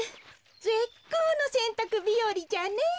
ぜっこうのせんたくびよりじゃねえ。